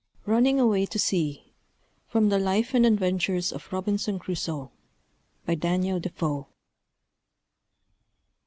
RUNNING AWAY TO SEA (From the Life and Adventures of Robinson Crusoe.) By DANIEL DEFOE.